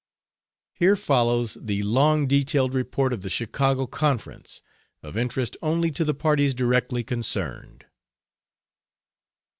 (Here follows the long detailed report of the Chicago conference, of interest only to the parties directly concerned.)